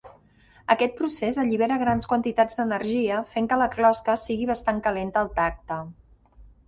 Aquest procés allibera grans quantitats d'energia, fent que la closca sigui bastant calenta al tacte.